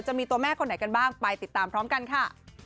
จะมีตัวแม่คนไหนกันบ้างไปติดตามพร้อมกันค่ะ